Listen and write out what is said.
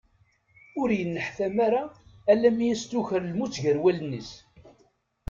Ur yenneḥtam ara alammi i as-tuker lmut gar wallen-is.